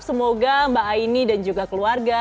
semoga mbak aini dan juga keluarga